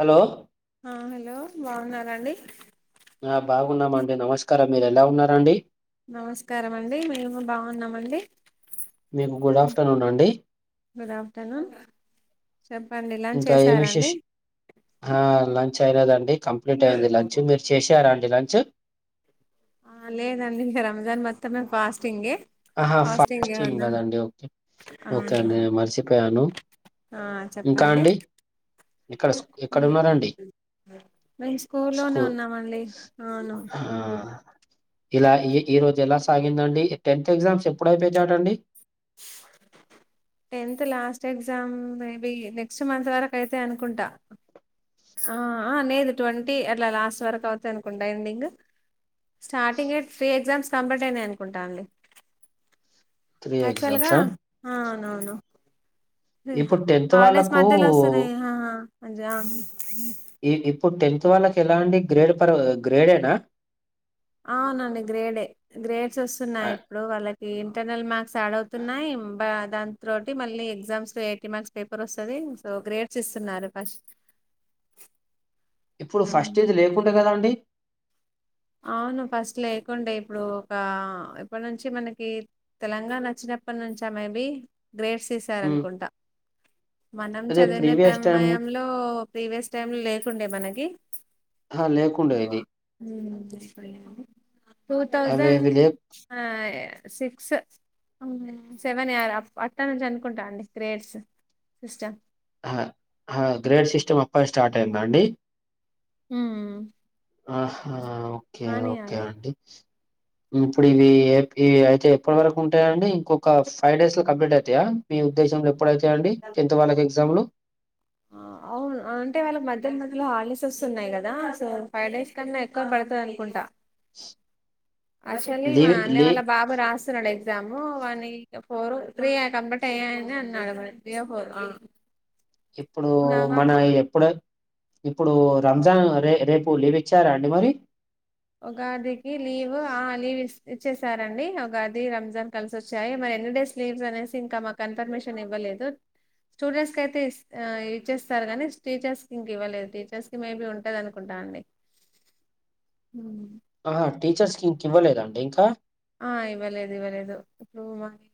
Hello ఆ hello బావున్నారా అండి ఆ బాగున్నామండి నమస్కారం మీరు ఎలా ఉన్నారండి నమస్కారం అండి మేము బావున్నామండి మేము గుడ్ ఆఫ్టర్నూన్ అండి గుడ్ ఆఫ్టర్నూన్ చెప్పండి లంచ్ ఇంకా ఏమి చేసారండి విశేష్ హా ల చేయలేదండి కంప్లీట్ అయింది లంచ్ మీరు చేసారా అండి లంచ్ ఆ లేదండి రంజాన్ మొత్తమే ఫాస్టింగే ఆహా ఫాస్టింగే ఫాస్టింగ్ ఉన్నాం గదండి ఓకే ఓకే అండి అవును నేను మరిసిపోయాను ఆ చెప్పండి ఇక్కడ ఎక్కడ ఉన్నారండి మేము స్కూలోనే ఉన్నమండి హ అవును హా ఇలా ఈ ఈరోజు ఎలా సాగిండండి టెన్త్ ఎగ్జామ్స్ ఇపోయతంది tenth last exam maybe next month వరకు అయితై అనుకుంటా ఆ ఆ నేదు ట్వంటీ అట్లా లాస్ట్ వరకు అవుతాయ్ అనుకుంటా ఎండింగ్ స్టార్టింగె ఫ్రీ ఎగ్జామ్స్ కంబటేనే అనుకుంటా అండి త్రీ ఆక్టుల్ గా ఎగ్జామ్సా అనుఅవును హ్ ఇప్పుడు టెన్త్ హాలడేస్ వాళ్ళకు మధ్యలో వస్తున్నాయ్ హా జాం ఈ ఇప్పుడు టెన్త్ వాళ్ళకి ఎలాండి గ్రేడ్ పడవ్గ గ్రేడెనా అవునండి గ్రేడే గ్రేడ్స్ ఆ, వస్తున్నాయి ఇప్పుడు వాళ్ళకి ఏం ఇంటర్నల్ మార్క్స్ యాడ్ అవుతున్నాయి బ దాంట్రోటి మళ్ళీ ఎగ్జామ్స్ ఎయిటీ మార్క్స్ పేపర్ వస్తుంది సో ఓ గ్రేడ్సిస్తున్నారు ఫస్ట్ ఇప్పుడు ఫస్ట్ ఇది లేకుంటగదా అండి అవును ఫస్ట్ లేకుండే ఇప్పుడు ఒక ఎప్పటి నుంచి మనకి తెలంగాణ వచ్చిన అప్పట్నుంచి ఆ మైబి గ్రేడ్స్ హ్మ్. ఈసారనుకుంటా మనం అదే చదివిన ప్రీవియస్ టైమ్ టైంమయంలో ప్రీవియస్ టైమ్ లేకుండే మనకి హ లేకుండె ఇప్పుడు ఇది ఉమ్, టూ అవి తౌసండ్ ఇవి లే ఆ సిక్స్ అవునా సెవెన్ యర్ అ అక్కడ్ నుంచి అనుకుంటా అండి గ్రేట్స్ సిస్టమ్ హ హ్ గ్రేడ్ సిస్టమ్ అప్పట్నుండి స్టార్ట్ అయ్యిందా అండి ఉమ్మ్మ్ ఆ హా ఓకే ఓకే అండి ఇప్పుడు ఇవి ఎ ఇవి అయితే ఎప్పటి వరకు ఉంటాయ్ అండి ఇంకొక ఫైవ్ డేస్ లో కంప్లీట్ అవుతాయా మీ ఉద్దేశంలో ఎప్పుడైతే అండి టెన్త్ వాళ్ళకు ఎగ్జామ్లు ఆ అప్ అవును అంటే వాళ్ళకి మధ్యల్మధ్యలో హాలిడేస్ వస్తున్నాయి కదా సో ఫైవ్ డేస్ కన్నా ఎక్కువ పడతది అనుకుంటా ఆక్టులి మా లీవ్ లీ అన్నయవాళ్ళ బాబు రాస్తున్నాడు ఎగ్జా జాము వాన్ని ఫోరో త్రీ కంప్లీట్ అయ్యాని అన్నాడు మరి త్రీ ఓ ఫోరో ఆ ఇప్పుడు మన ఎప్పుడై ఇప్పుడు రంజాన్ రే రేపు లీవ్ ఇచ్చారా అండి మరి ఉగాదికి లీవ్ ఆ లీవ్ ఇస్త ఇచ్చేసారండి ఉగాది రంజాన్ కలిసొచ్చాయి మరి ఎన్ని డేస్ లీవ్స్ అనేసి ఇంకా మా కన్ఫర్మేషన్ ఇవ్వాలె లేదు స్టూడెంట్స్ కైయితే ఇ ఆ ఇచ్చేస్తారు కాని టీచర్స్ ఇంక ఇవ్వలేదు టీచర్స్ కి మేబీ ఉంటది అనుకుంటా అండి ఉహ్ ఆహ్ టీచర్స్ కి ఇంక ఇవ్వలేదండి ఇంకా ఆ ఇవ్వలేదు ఇవ్వలేదు ఇప్పుడు మాకు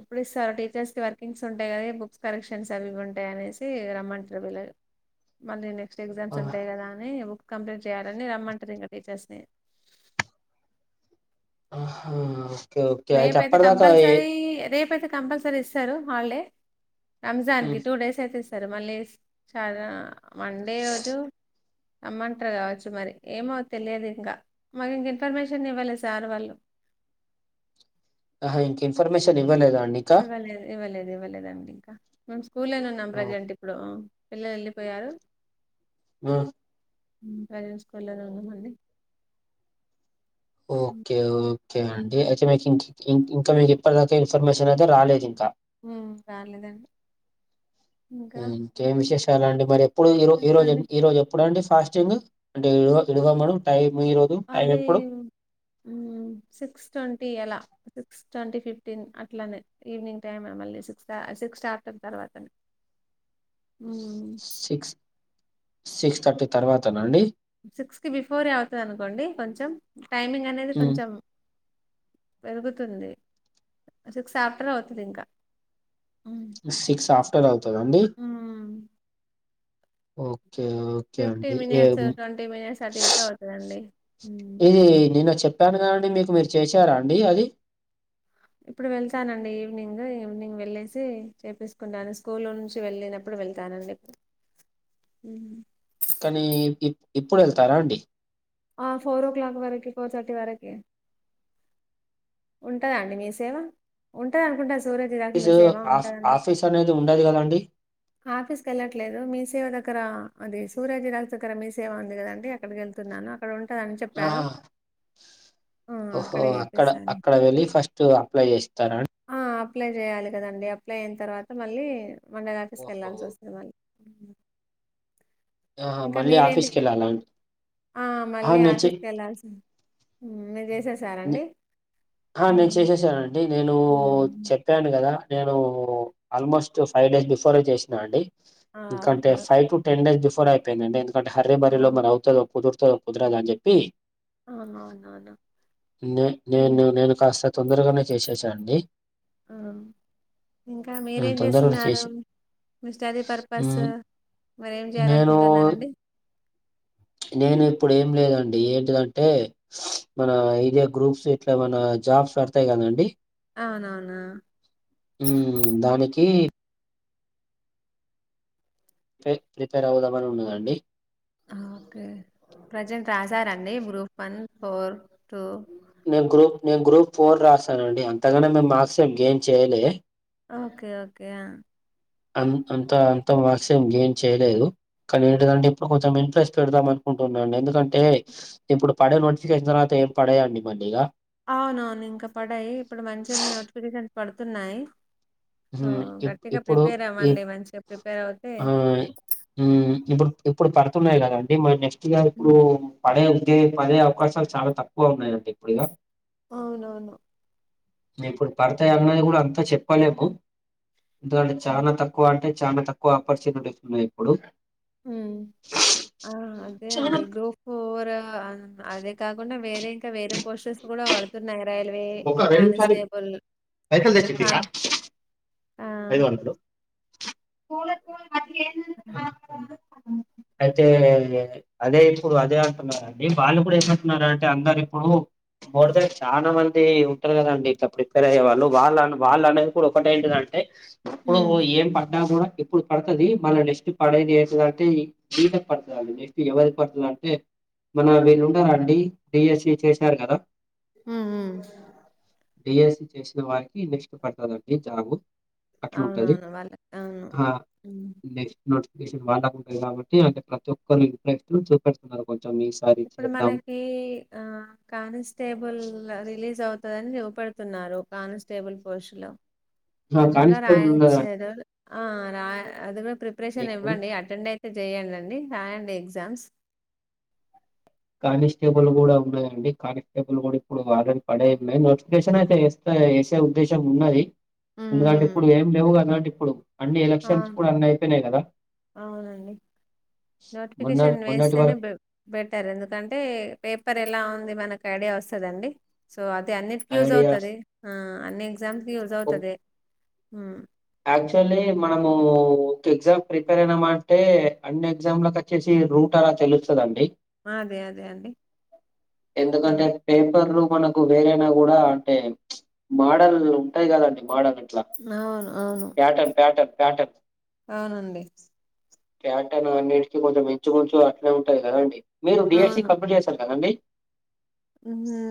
ఎప్పుడు ఇస్తారు టీచర్స్ కి వర్కింగ్స్ ఉంటాయి కదా బుక్స్ కరెక్షన్స్ అవి ఇవి ఉంటాయి అనేసి రమ్మంటుర్విళ్ళు మళ్ళీ నెక్స్ట్ ఎగ్జామ్స్ ఆహ్ ఉంటాయ్ కదా అని బు కంప్లీంట్ చేయాలని రమ్మంటరింకా టీచర్స్ ని ఆ హా రేప్ అయితే కంపల్సరీ రేప్ అయితే కంపల్సరీ ఇస్తారు హాలిడే హ్మ్. రంజాన్కి టూ డేస్ అయితే సారు మళ్ళీ చార మండే రోజు రంమ్మంటారు కావచ్చు మరి ఏమో తెలియదు ఇంకా మాకు ఇంక ఇన్ఫర్మేషన్ ఇవ్వాలె సార్ వాళ్ళు ఆహ్ ఇంకా ఇన్ఫర్మేషన్ ఇవ్వలేదా అండి ఇంకా ఇవ్వలేదు ఇవ్వలేదు ఇవ్వలేదండి ఇంకా మేము స్కూల్లోనే ఉన్నాం ఓ- ప్రజెంట్ ఇప్పుడు పిల్లలు వెళ్లిపోయారు అ ఉహ్ ప్రవేట్ స్కూల్లోనే ఉన్నాం అండి ఓకే ఓ ఓకే అండి అయితే మీకుం ఇం ఇంకా మీకు ఇప్పటిదాకా ఇన్ఫర్మేషన్ అయితే రాలేదు ఇంకా హ్మ్మ్ రాలేదండి ఇంకా ఇంకేం విశేషాలండి మరి ఎప్పుడు ఈ రోజ్ ఈ రోజ్ చెప్పండి ఈ రోజు ఎప్పుడుండి ఫాస్టింగు అంటే ఇడ్వ ఇడవ మను టైం ఈ రోజు టైం అది ఎప్పుడు ఉమ్ సిక్స్ ట్వంటీ అలా సిక్స్ ట్వంటీ ఫిఫ్టీన్ అట్లానే ఈవినింగ్ టైమె మళ్ళీ సిక్స్ ట సిక్స్ ఆఫ్టర్ తర్వాతనే ఊమ్ సిక్స్ సిక్స్ థట్టీ తర్వాతనండి సిక్స్ కి బిఫోరే అవుతాదంకోండి కొంచం టైమింగ్ అనేది కొంచం పెరుగుతుంది సిక్స్ ఆఫ్టర్ అవ్తదింకా సిక్స్ ఆఫ్టర్ అవ్తదండి హ్మ్. ఓ కే ఓకే అండి మినిట్స్, ఏం మినిట్స్ అటు ఇటు అవుతదండి. హ్మ్. ఇది నిన్న చెప్పాన్ కదండి మీకు మీర్ చేసారా అండి అది ఇప్పుడు వెళ్తానండి ఈవినింగు ఈవినింగ్ వెళ్ళేసి చేపీస్కుంటాను స్కూలో నుంచి వెళ్ళినపుడు వెల్తనండి ఉ కానీ ఇ ఇప్ ఇప్పుడ్ ఎళ్తారా అండి ఆ ఫోర్ ఓ క్లాక్ వరకి ఫోర్ తట్టీ వరకి ఉంటదా అండి మీ సేవ ఉంటదన్కుంటా స్ ఫిసు ఆఫ్ ఆఫీస్ అనేది ఉండదిగదాండి ఆఫీస్ కెళ్ళట్లేదు మీ సేవ దగ్గర అది సూరజ్ రైస్ దగ్గర మీ సేవ ఉందికదండి అక్కడికేళ్త్ తున్నాను అక్కడ ఉంటదన్ చెప్పారు ఆహా! ఆ! ఓహో అక్కడే అక్కడ చేపిస్తాను. అక్కడ వెళ్ళి ఫస్టు అప్లై చేస్తారన్ ఆ! అప్లై చేయాలి కదండి అప్లై ఐన్ తర్వాత మళ్ళీ మం ఓహో! వెళ్లాల్సోస్తే మళ్ ఆ ఇంకా మళ్ళీ మీరేంటి చే ఆఫీస్కేళ్ళాలాండ్ ఆ మళ్ళీ ఆఫీస్కేళ్ళల్సి ఉమ్ మీర్ నె చేసేసారండి ఆ నేన్ హ్మ్. సేసేసానండి నేను హ్మ్. చెప్పాను గదా నేను ఆల్మోస్టు ఫైవ్ డేస్ బిఫోరే చేస్నా అండి ఆ! ఇంకంటే okay. Five to ten days before ఐపోన్ధండి ఎందుకంటే హరీ బరీలో ఓహ్! మరవ్తదో అవ్వదో తొ కుద్రదన్ చెప్పి అ అవునండి నే ఉమ్ నేను నేను కాస్త తొందర్గానే చేసేసా అండి ఆ ఇంకా ఆ! తొందరగా మీరేంజెస్సున్నారు చేసి మీ స్టడీ పర్పసూ హ్మ్. మరేం జేయాలనుకుంటున్నారండి నేనిప్పుడు ఏం లేదండి ఏంటిదంటే మన ఇదే గ్రూఫ్స్ ఇట్లా ఎమన్నా జాబ్స్ పడతాయిగదాండి అవునవునా ఊమ్ దానికి ప్రి ప్రిపేర్ అవ్దామని ఉన్నదండి అ ఓకే ప్రజెంట్ రాశారండి గ్రూప్ వన్ ఫోర్ టూ నేన్ గ్రూప్ నేన్ గ్రూప్ ఫోర్ రాసానండి అంతగాన నేన్ మార్క్స్ గేన్ చైలే ఓకే ఓకే ఆ అంతంత అంత మర్క్స్ ఎం గెన్ చేయ్లేదు కానేంటిదంటే ఇప్పుడ్ కొంచం ఇంట్రెస్ట్ పెడ్దాం అనుకుంటున్నాన్ ఎందుకంటే ఇప్పుడ్ పడే నోటిఫికేషన్ తర్వాత ఎ పడయండి మండిగా అవునవును ఇంకా పడాయ్ ఇప్పుడు మంచిగ్నే నోటిఫికేషన్స్ పడ్తున్నాయ్ ఆ ఉమ్ ఇప్ గట్టిగా ఇప్పుడు ప్రిపేర్ ఈ అవ్వండి మంచిగా ప్రిపేర్ అవ్తే ఉమ్ ఇప్పుడ్ ఇప్పుడు పడ్తున్నాయ్ కదండి మర్ నెక్స్ట్ ఇయర్ ఇప్పుడు ఉమ్. పడయం దెయ్ పడె అవ్కాశాల్ చాలా తక్కువ ఉన్నాయంట ఇప్పుడిగా అవునవును ఇప్పుడ్ పడ్తాయి అన్నది కూడా అంతా చెప్పలేకు ఎందుకంట్ ఉమ్. చాలా తక్కువంటే చానా తక్కువ ఆపర్చునిటీస్ ఉన్నాయ్ ఇప్పుడు ఉమ్ ఆ అదే అండి గ్రూప్ ఫోర్ అర్ అన్ అదే కాకుండా వేరే ఇంకా వేరే పోస్టర్స్ కూడా పడుతున్నాయ రైల్వే ఒక నిమిషాలు కానిస్టేబుల్ కాన్ ఆ ఐదు గంటలు అయితే అదే ఇప్పుడు అదే అంటున్నరండి వాళ్ళు గుడా ఏమంటున్నారు అంటే అందరు ఇప్పుడు మోర్ తేన్ చాన మన్ ది ఉంటరు గదండి ఇట్ల ప్రిపేర్ అయ్యే వాళ్ళు వాళ్ళ వాళ్ళు అనేది కుడ ఒకటె ఏంటిదంటే ఇప్పుడూ ఉమ్ ఏం పడ్డాగుడా ఇప్పుడు పడతది మళ్ళ నెక్స్ట్ పడేది ఏంటిదంటె సిట్ పడతదండి నెక్స్ట్ ఎవరి పడతదంటే మన వీళ్ళుండరా అండి డిఎస్సి చేశ్నారు కదా మ్ హు బిఎస్సి చేసిన వారికి నెక్స్ట్ పడతదండి జాబు అట్లుంటది అవునవును. వాళ్ళకి అవును. హా హ్మ్. నెక్స్ట్ నోట్ [unintelligible] కాబట్టి అంటే ప్రతి ఒక్కరి ఇంట్రెస్ట్ చూపెస్తున్నారు కొంచెం మీస్ ఇప్పుడు మనకి అహ్ కానిస్టేబుల్ రిలీజ్ జ్ అవుతదని చూపెడతున్నారు కానిస్టేబుల్ పోస్ట్ లో ఆ! అది గుడా కానిస్టేబుల్ ఉన్నదండి రాయచ్చేదొ అహ్ రా అది గుడ ప్రిపరేషన్ ఇప్పుడు. ఇవ్వండి అటెండ్ అయ్ జేయనండి హ్యాండ్ ఎగ్జామ్స్ కానిస్టేబుల్ గూడా ఉన్నయండి కానిస్టేబుల్ గుడా ఇప్పుడు వారెంట్ పడె ఉన్నాయి నోటిఫికేషన్ అయితే చేస్ ఉద్దేశం ఉన్నది ఎందుకంటే హ్మ్. ఇప్పుడు ఏం లేవు గదంటే ఇప్పుడు అన్నీ ఆ! ఎలక్షన్స్ కుడా అన్నీ అయిపైనాయ్ గదా అవునండి. మొన్న నోటిఫికేషన్ మొన్నటి వేస్తేనే వరకు బె బెట్ టర్ ఎందుకంటే పేపర్ ఎలా ఉంది మనకి ఐడియా వస్తదండి సో అది అన్నిటికి యూజ్ ఐడియాస్ అవుతది అన్ని ఎగ్జామ్స్కి యూజ్ ఒక్ అవుతది యాక్చువల్లీ మనము ఒక ఎగ్జామ్ ప్రిపేర్ అయినామ అంటే అన్ని ఎగ్జామ్ల కచ్చేసి రూట్ అలా తెలుస్తదండి అదే. అదే అండి. అదే. ఎందుకంటే పేపర్లు మనకు వేరైనా గూడా అంటే మాడల్ ఉంటాయి కదండి మాడల్ అవును అవును ప్యాటన్ ప్యాటన్ ప్యాటన్ అవునండి ప్యాటన్ అన్నిటికి కొంచెం ఇంచు మించు అట్లే ఉంటది కదండి మీరు అవును బిఎస్సి కంప్లీట్ చేసారు కదండి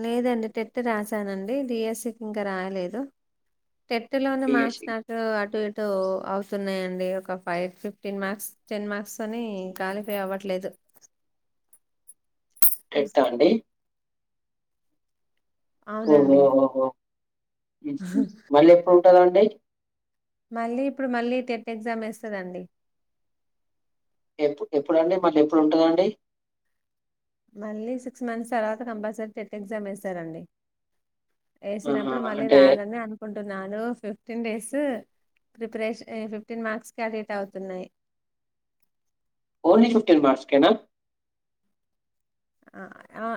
లేదండి టెట్టు రాసానండి డిఎస్సికి ఇంక రాయలేదు టెట్టులోని మార్క్స్ డీఎస్సీ. నాకు అటు ఇటు అవుతున్నాయండి ఒక five fifteen marks ten marks అని క్వాలిఫై అవ్వట్లేదు టెట్టా అండి ఓహో అవునండి ఓహో మళ్ళీ ఎప్పుడు ఉంటందండి మళ్ళీ ఇప్పుడు మళ్ళీ టెట్ ఎగ్జామ్ వేస్తదండి ఎప్పు ఎప్పుడండి మళ్ళీ ఎప్పుడు ఉంటదండి మళ్ళీ సిక్స్ మంత్స్ తర్వాత కంపల్సరీ టెట్ ఎగ్జామ్ యేస్తరండి ఆహా! యేసినప్పుడు మళ్ళీ అంటే రాయాలని అనుకుంటున్ నాను fifteen days preparation fifteen marks కి అటు ఇటు అవుతున్నాయ్ ఓన్లీ ఫిఫ్టీన్ మర్క్స్ కేనా అ ఆ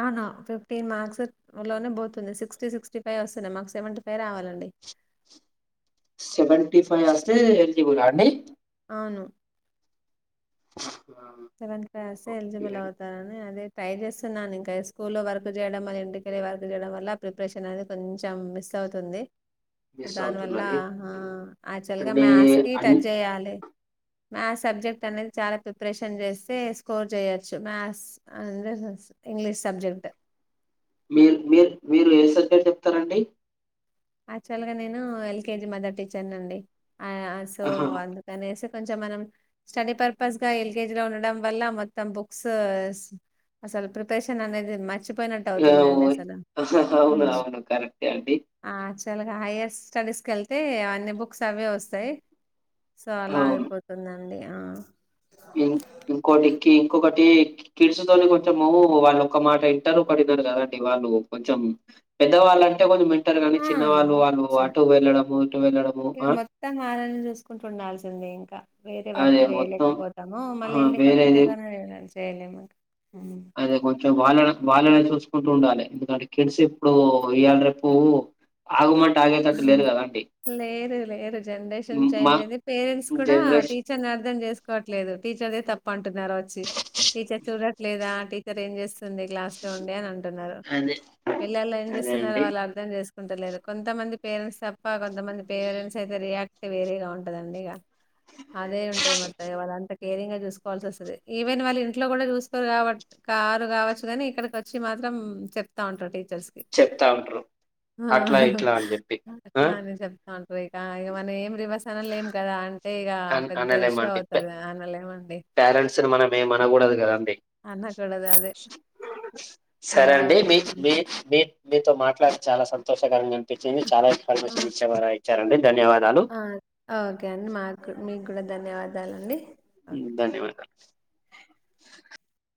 ఆ వును ఫిఫ్టీన్ మార్క్స్ లోనే పోతుంది సిక్స్టీ సిక్స్టీ ఫైవ్ ఒస్తున్నాయి మాక్ సెవెంటి ఫైవ్ రావాలండి సెవేంటి ఫై ఒస్తే ఎలిజిబులా అండి ఆను ఆహా! సెవెంత్ క్లాసే ఓకే. ఎలిజిబుల్ అవుతారని అదే ట్రై జేస్తున్నానింకా స్కూల్లో వర్క్ జేయడం మళ్ళ ఇంటికెళ్ళి వర్క్ చేయడం వల్ల ప్రిపరేషన్ అనేది కొంచెం మిస్స్ అవుతుంది సో మిస్ దాని వల్ల అవుతున్నది. హా అక్చువల్ గా అంటే మ్యాథ్స్ కి అన్ టచ్ చెయ్యాలె మాథ్స్ సబ్జెక్టు అనేది చాలా ప్రిపరేష సెన్ జేస్తే స్కోర్ జేయొచ్చు మాథ్స్ [unintelligible] ఇంగ్లీష్ సబ్జెక్ట్ మీర్ మీర్ మీరు ఏ సబ్జెక్టు జెప్తరండీ అక్చువల్ గా నేను ఎల్కేజీ మదర్ టీచర్నండి అయ్ ఆ సో ఆహా! అందుకనేసి కొంచం మనం స్టడీ పర్పస్ గా ఎల్కేజీ లో ఉండడం వల్ల మొత్తం బుక్స్ స్ అసల్ ప్రిపేషన్ అనేది మచిప్ ఇగా ఓయ్ అవును అవును కరెక్టే ఆంటీ ఆక్చువల్గా హైయర్ స్టడీస్కెళ్తే అన్ని బుక్స్ అవేవొస్తాయ్ సో అలా అయిపోతుందండి ఆ ఇన్ ఇంకోటి కీ ఇంకొకటి కి కిడ్స్తోని కొంచము వాళ్ళు ఒక మాట ఇంటరు ఒకటినరు కదండి వాళ్ళు లు కొంచెం పెద్దవాళ్ళంటే కొంచం మ ఆ [unintelligible] ఇటు వెళ్ళడము ఇగా ఆ మొత్తం ఆళ్లనే చూసుకుంటూ ఉండాల్సిందే ఇంకా వేరే వర్క్ అదే మొత్తం చేయలేకపోతాము మళ్ళీ ఆ ఇంటికి వచ్చేస వేరేది [unintelligible] చేయలేమ్ అదే కొంచెం వాళ్ళనే వాళ్ళనే చూస్ కుంటుండాలి ఎందుకంటే కిడ్స్ ఇప్పుడు ఇయ్యాల్ రేపు ఆగమంటే ఆగేటట్టు లేరు కదా అండి లేరు లేరు జెన్రేషన్ మా చేంజ్ అయింది పేరెంట్స్ కూడా జనరేషన్ టీచర్ ని అర్థం జేసుకోట్లేదు టీచర్దే తప్పంటున్నారు వొచ్చి టీచర్ చూడట్లేదా టీచర్ ఏం జేస్ స్తుంది క్లాస్ లో ఉండి అని అంటున్నారు అదే పిల్లలు ఏం అదే జేస్తున్నారో అండి వాళ్ళు అర్థం జేసుకుంటలేరు కొంతమంది పేరెంట్స్ తప్ప కొంతమంది పేరెంట్స్ అయితే రియాక్ట్ వేరేగా ఉంటదండి ఇగ అదే ఉంటది మొత్త ఇగ వాళ్ళంతా కేరింగ్ గా జూసుకోవాల్సి వొస్తది ఈవెన్ వాళ్ళ ఇంట్లో కూడా చూసుకోరు కాబట్ కారు గావచ్చు గాని ఇక్కడికొచ్చి మాత్రం చెప్తా ఉంటా టీ చెప్తా ఉంట్రూ అట్లా ఇట్లా అని జెప్పి ఆ అట్లా అని చెప్తా ఇక ఇగ మనం ఏం రివర్స్ అనలేం కదా అంటే ఇగ పెద్ద ఇష్యూ అవుతది గదా అనలేమన్ ప్యారెంట్స్ని మనం ఏమనగూడదు గదా అనకూడదు అదే. అలా సరేండి మీ అవుతుందండి. మీచ్ మీ మీతో మాట్లాడి చాలా సంతోషకరంగా అనిపిచ్చింది చాలా ఆ! ఇన్ఫర్మేషన్ ఇచ్చేవార ఇచ్చారండి ధన్యవాదాలు ఆ ఆఓకే అండి మాక్ మీకు కూడా ధన్యవాదాలండి ఓకే. హ్మ్ ధన్యవాదాలు